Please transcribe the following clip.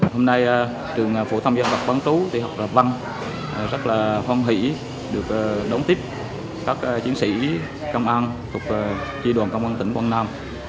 hôm nay trường phổ thông dân vật văn trú tỉ hợp văn rất là phong hỷ được đón tiếp các chiến sĩ công an thuộc chi đoàn công an tỉnh quang nam